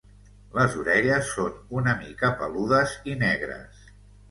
Les orelles són una mica peludes i negres.